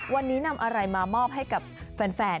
วันนี้นำอะไรมามอบให้กับแฟน